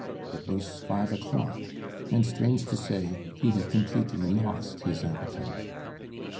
It was five o'clock, and, strange to say, he had completely lost his appetite.